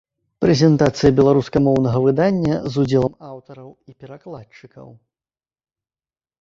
Прэзентацыя беларускамоўнага выдання з удзелам аўтараў і перакладчыкаў.